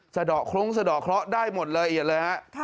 สะดอกคลุ้งสะดอกเคราะห์ได้หมดละเอียดเลยฮะ